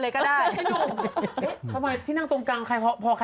ไม่ดีกว่า